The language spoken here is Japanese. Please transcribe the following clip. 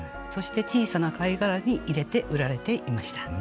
そして小さな貝殻に入れて売られていました。